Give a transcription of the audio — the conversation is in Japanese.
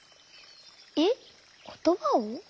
えっことばを？